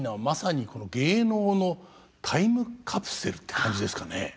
まさに芸能のタイムカプセルって感じですかね。